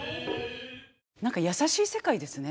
何か優しい世界ですね。